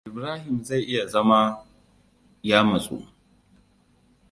Ibrahim zai iya zama ya matsu.